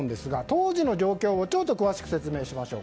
当時の状況を詳しく説明しましょう。